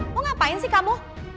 mau ngapain sih kamu